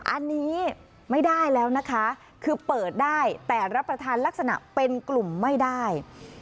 อันนี้ไม่ได้แล้วนะคะคือเปิดได้แต่รับประทานลักษณะเป็นกลุ่มไม่ได้